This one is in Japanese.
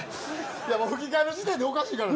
吹き替えの時点でおかしいからね。